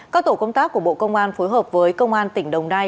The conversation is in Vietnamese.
các tổ công tác của bộ công an phối hợp với công an tỉnh đồng nai